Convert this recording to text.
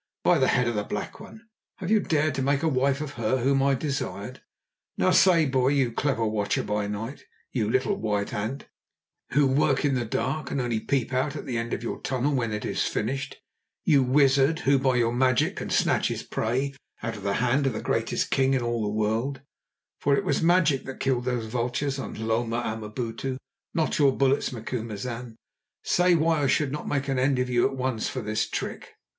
"By the Head of the Black One, have you dared to make a wife of her whom I desired? Now say, boy, you clever Watcher by Night; you little white ant, who work in the dark and only peep out at the end of your tunnel when it is finished; you wizard, who by your magic can snatch his prey out of the hand of the greatest king in all the world—for it was magic that killed those vultures on Hloma Amabutu, not your bullets, Macumazahn—say, why should I not make an end of you at once for this trick?"